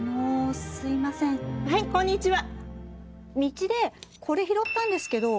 はいこんにちは。